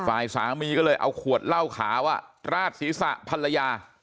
ฝ่ายสามีก็เลยเอาขวดเหล้าขาวราดศีรษะภรรยา